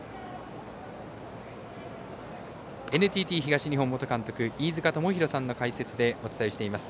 ＮＴＴ東日本元監督飯塚智広さんの解説でお伝えしています。